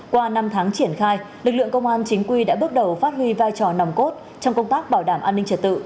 qua năm tháng triển khai lực lượng công an chính quy đã bước đầu phát huy vai trò nòng cốt trong công tác bảo đảm an ninh trật tự